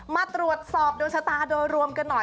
มาตรวจสอบดวงชะตาโดยรวมกันหน่อย